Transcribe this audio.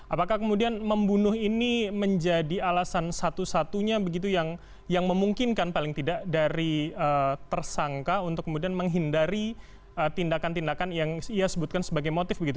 apakah kemudian membunuh ini menjadi alasan satu satunya begitu yang memungkinkan paling tidak dari tersangka untuk kemudian menghindari tindakan tindakan yang ia sebutkan sebagai motif begitu